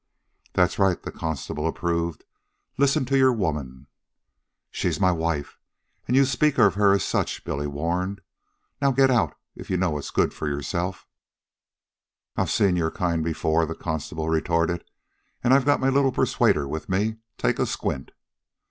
"That's right," the constable approved, "listen to your woman." "She's my wife, an' see you speak of her as such," Billy warned. "Now get out, if you know what's good for yourself." "I've seen your kind before," the constable retorted. "An' I've got my little persuader with me. Take a squint."